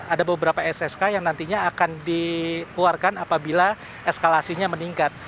ada beberapa ssk yang nantinya akan dikeluarkan apabila eskalasinya meningkat